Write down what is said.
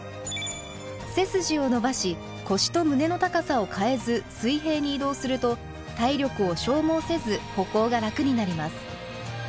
背筋を伸ばし腰と胸の高さを変えず水平に移動すると体力を消耗せず歩行が楽になります。